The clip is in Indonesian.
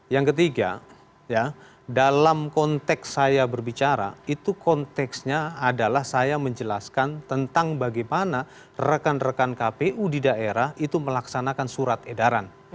yang ketiga dalam konteks saya berbicara itu konteksnya adalah saya menjelaskan tentang bagaimana rekan rekan kpu di daerah itu melaksanakan surat edaran